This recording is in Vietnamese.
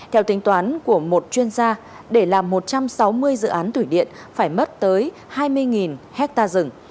theo tính toán của một chuyên gia để làm một trăm sáu mươi dự án thủy điện phải mất tới hai mươi hectare rừng